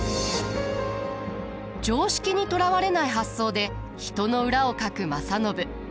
常識にとらわれない発想で人の裏をかく正信。